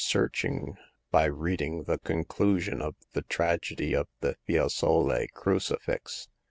searching by reading the conclusion of the tragedy of the Fiesole Crucifix.